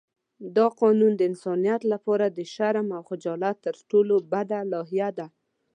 دا قانون د انسانیت لپاره د شرم او خجالت تر ټولو بده لایحه ده.